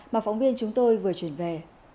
mà phóng viên chúng tôi vừa chuyển về